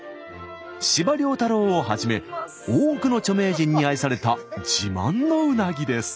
司馬太郎をはじめ多くの著名人に愛された自慢のうなぎです。